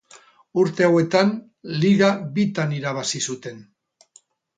Urte hauetan liga bitan irabazi zuten.